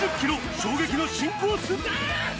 衝撃の新コース。